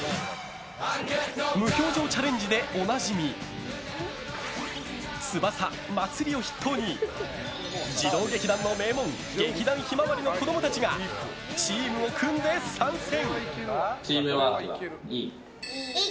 無表情チャレンジでおなじみつばさ・まつりを筆頭に児童劇団の名門劇団ひまわりの子供たちがチームを組んで参戦！